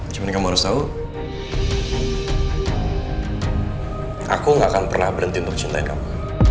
cuman ini kamu harus tahu aku gak akan pernah berhenti untuk cintai kamu